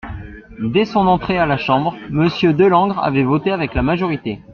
Dès son entrée à la Chambre, Monsieur Delangre avait voté avec la majorité.